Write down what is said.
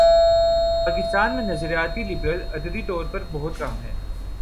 پاکستان میں نظریاتی لبرل عددی طور پر بہت کم ہیں۔